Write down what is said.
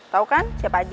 tau kan siapa aja